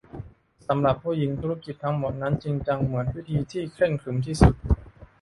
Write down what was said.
สำหรับผู้หญิงธุรกิจทั้งหมดนั้นจริงจังเหมือนพิธีที่เคร่งขรึมที่สุด